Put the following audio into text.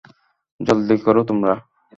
জলদি করো তোমরা।